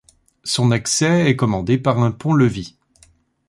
Son accès est commandé par un pont-levis.